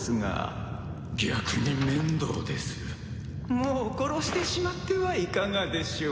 もう殺してしまってはいかがでしょう？